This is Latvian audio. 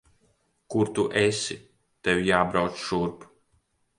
Kur tu esi? Tev jābrauc šurp.